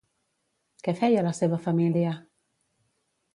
Què feia la seva família?